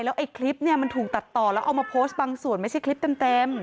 ไอ้คลิปเนี่ยมันถูกตัดต่อแล้วเอามาโพสต์บางส่วนไม่ใช่คลิปเต็ม